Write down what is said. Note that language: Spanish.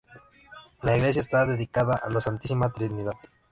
La iglesia está dedicada a La Santísima Trinidad.